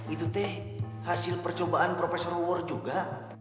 itu teh hasil percobaan profesor luwer juga